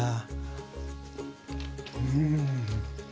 うん。